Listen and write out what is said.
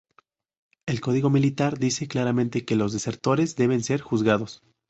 El código militar dice claramente que los desertores deben de ser juzgados.